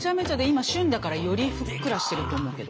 今旬だからよりふっくらしてると思うけど。